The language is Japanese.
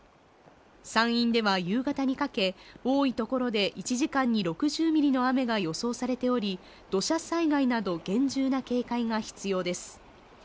山陰では夕方にかけ、多いところで１時間に６０ミリの雨が予想されており土砂災害など厳重な警戒が必要です。